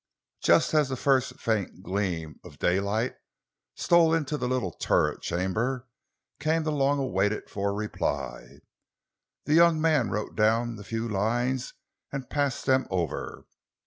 Just as the first faint gleam of daylight stole into the little turret chamber, came the long waited for reply. The young man wrote down the few lines and passed them over.